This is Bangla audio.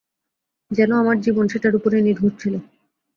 যেন আমার জীবন সেটার ওপরই নির্ভর ছিল।